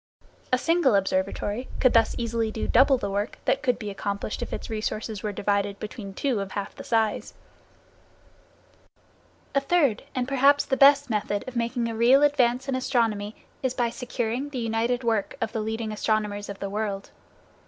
A single observatory could thus easily do double the work that could be accomplished if its resources were divided between two of half the size. A third, and perhaps the best, method of making a real advance in astronomy is by securing the united work of the leading astronomers of the world.